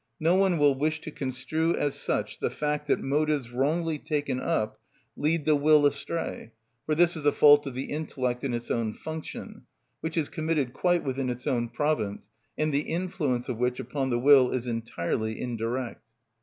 No one will wish to construe as such the fact that motives wrongly taken up lead the will astray, for this is a fault of the intellect in its own function, which is committed quite within its own province, and the influence of which upon the will is entirely indirect.